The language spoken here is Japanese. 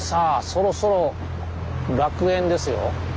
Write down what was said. そろそろ楽園ですよ。